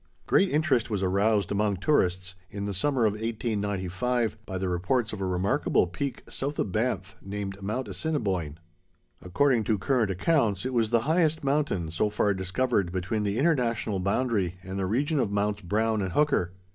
_ Great interest was aroused among tourists in the summer of 1895, by the reports of a remarkable peak south of Banff named Mount Assiniboine. According to current accounts, it was the highest mountain so far discovered between the International boundary and the region of Mounts Brown and Hooker.